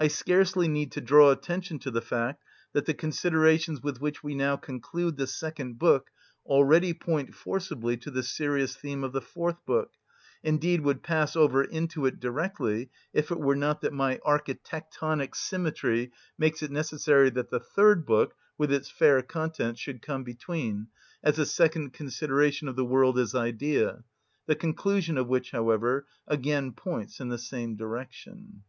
I scarcely need to draw attention to the fact that the considerations with which we now conclude the second book already point forcibly to the serious theme of the fourth book, indeed would pass over into it directly if it were not that my architectonic symmetry makes it necessary that the third book, with its fair contents, should come between, as a second consideration of the world as idea, the conclusion of which, however, again points in the same direction.